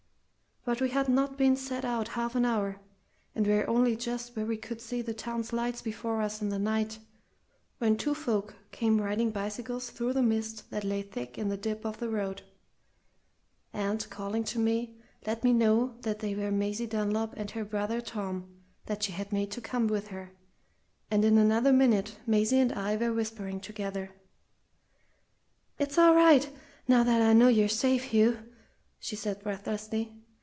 But we had not been set out half an hour, and were only just where we could see the town's lights before us in the night, when two folk came riding bicycles through the mist that lay thick in a dip of the road, and, calling to me, let me know that they were Maisie Dunlop and her brother Tom that she had made to come with her, and in another minute Maisie and I were whispering together. "It's all right now that I know you're safe, Hugh," she said breathlessly.